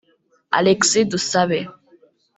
Alexis Dusabe